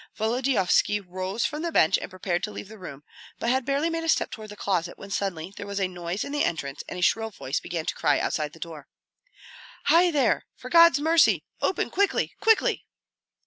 Volodyovski rose from the bench and prepared to leave the room, but had barely made a step toward the closet when suddenly there was a noise in the entrance and a shrill voice began to cry outside the door "Hei there! For God's mercy! open quickly, quickly!"